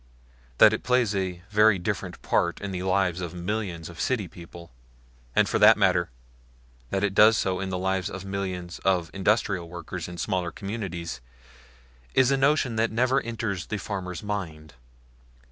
That it plays a very different part in the lives of millions of city people and for that matter that it does so in the lives of millions of industrial workers in smaller communities is a notion that never enters the farmer's mind.